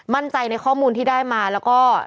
มั่นใจในข้อมูลที่ได้มาแล้วก็